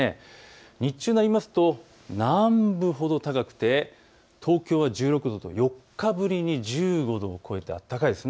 日中になりますと南部ほど高くて東京は１６度と４日ぶりに１５度を超えて暖かいです。